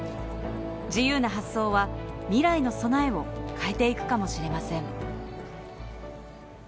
自由な発想は未来の備えを変えていくかもしれません。